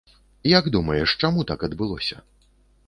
Як думаеш, чаму так адбылося?